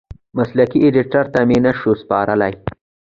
مسلکي ایډېټر ته مې نشوای سپارلی.